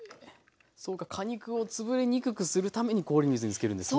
そうか果肉をつぶれにくくするために氷水につけるんですね。